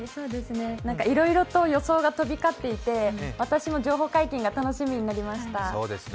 いろいろと予想が飛び交っていて、私も情報解禁が楽しみになりました。